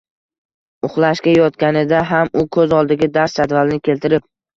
– uxlashga yotganida ham u ko‘z oldiga dars jadvalini keltirib